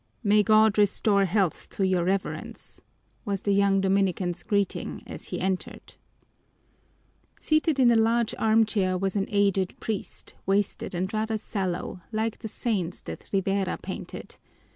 "May God restore health to your Reverence," was the young Dominican's greeting as he entered. Seated in a large armchair was an aged priest, wasted and rather sallow, like the saints that Rivera painted.